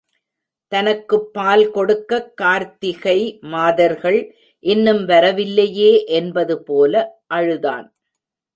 தனக்குப் பால் கொடுக்கக் கார்த்திகை மாதர்கள் இன்னும் வரவில்லையே என்பது போல அழுதான்.